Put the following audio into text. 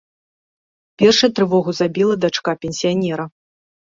Першай трывогу забіла дачка пенсіянера.